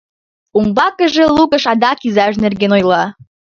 Умбакыже Лукаш адак изаж нерген ойла: